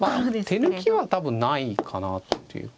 手抜きは多分ないかなという。